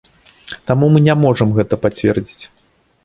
Таму мы не можам гэтага пацвердзіць.